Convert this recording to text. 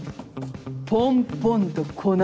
ポンポンと粉。